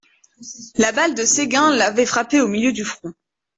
La balle de Séguin l'avait frappé au milieu du front.